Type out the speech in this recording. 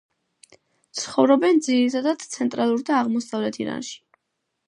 ცხოვრობენ ძირითადად ცენტრალურ და აღმოსავლეთ ირანში.